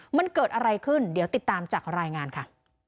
มันเกิดอะไรขึ้นเดี๋ยวติดตามจากรายงานค่ะ